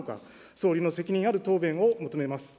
総理の責任ある答弁を求めます。